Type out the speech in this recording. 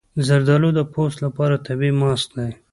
زردالو د پوست لپاره طبیعي ماسک دی.